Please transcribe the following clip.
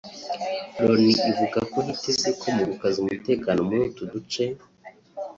Loni ivuga ko hitezwe ko mu gukaza umutekano muri utu duce